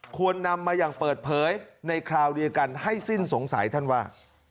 ควรนำมาอย่างเปิดเผยในคราวเดียวกันให้สิ้นสงสัยท่านว่า